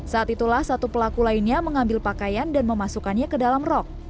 saat itulah satu pelaku lainnya mengambil pakaian dan memasukkannya ke dalam rok